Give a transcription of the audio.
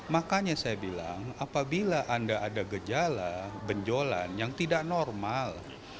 makanya saya bilang apabila anda ada gejala benjolan yang tidak normal